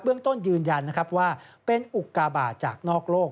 ต้นยืนยันนะครับว่าเป็นอุกาบาทจากนอกโลก